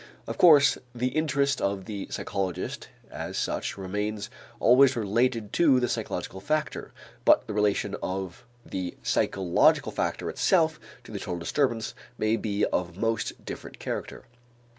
Of course the interest of the psychologist as such remains always related to the psychological factor, but the relation of the psychological factor itself to the total disturbance may be of most different character.